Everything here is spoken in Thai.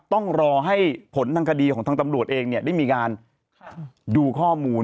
ต้องรอให้ผลทางคดีของทางตำรวจเองได้มีการดูข้อมูล